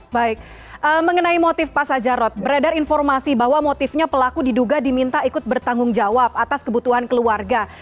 baik mengenai motif pak sajarot beredar informasi bahwa motifnya pelaku diduga diminta ikut bertanggung jawab atas kebutuhan keluarga